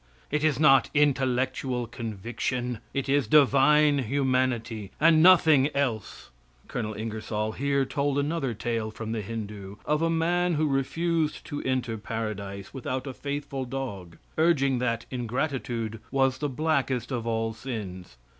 It is not intellectual conviction; it is divine humanity, and nothing else. Colonel Ingersoll here told another tale from the Hindoo, of a man who refused to enter Paradise without a faithful dog, urging that ingratitude was the blackest of all sins.